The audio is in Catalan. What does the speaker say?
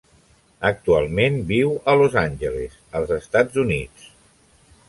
Actualment viu a Los Angeles, els Estats Units.